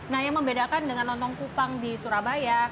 nah yang membedakan dengan lontong kupang di surabaya